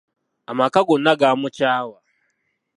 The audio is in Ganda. Amaka gonna gaamukyawa.